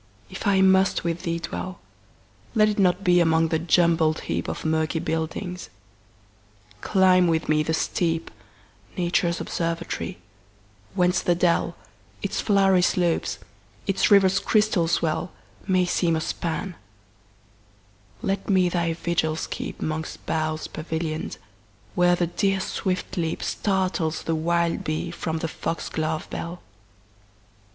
if I must with thee dwell, Let it not be among the jumbled heapOf murky buildings; climb with me the steep,—Nature's observatory—whence the dell, Its flowery slopes, its river's crystal swell, May seem a span; let me thy vigils keep'Mongst boughs pavillion'd, where the deer's swift leapStartles the wild bee from the fox glove bell.